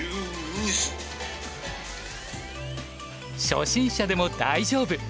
初心者でも大丈夫！